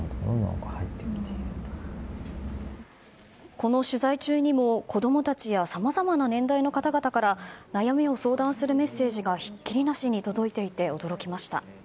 この取材中にも、子供たちやさまざまな年代の方から悩みを相談するメッセージがひっきりなしに届いていて驚きました。